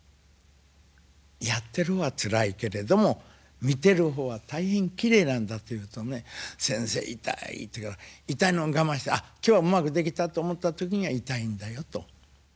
「やってる方はつらいけれども見てる方は大変きれいなんだ」と言うとね「先生痛い」と言うから「痛いのを我慢してあっ今日はうまくできたと思った時には痛いんだよ」と。